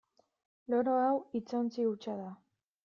Loro hau hitzontzi hutsa da.